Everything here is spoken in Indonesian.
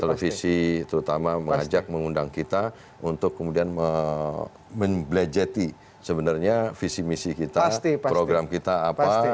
televisi terutama mengajak mengundang kita untuk kemudian membelajeti sebenarnya visi misi kita program kita apa